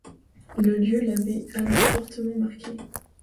Le lieu l'avait alors fortement marqué.